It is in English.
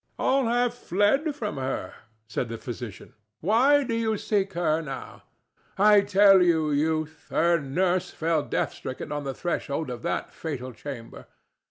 "All have fled from her," said the physician. "Why do you seek her now? I tell you, youth, her nurse fell death stricken on the threshold of that fatal chamber.